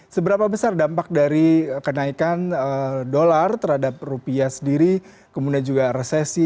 seberapa besar dampak dari kenaikan dolar terhadap rupiah sendiri kemudian juga resesi